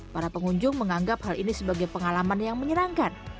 para pengunjung menganggap hal ini sebagai pengalaman yang menyerangkan